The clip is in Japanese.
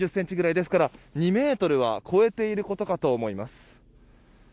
ですから２ｍは超えていることかと思います。